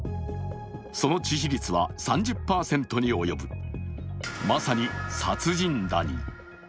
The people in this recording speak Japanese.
その致死率は３０％に及ぶまさに殺人ダニ。